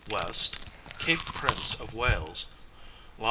west, Cape Prince of Wales, long.